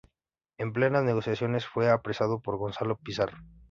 En plenas negociaciones fue apresado por Gonzalo Pizarro.